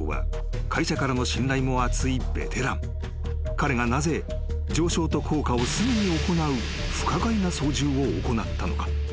［彼がなぜ上昇と降下をすぐに行う不可解な操縦を行ったのか］